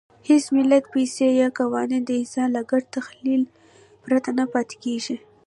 هېڅ ملت، پیسې یا قوانین د انسان له ګډ تخیل پرته نه پاتې کېږي.